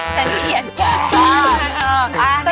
ฉันเขียนแก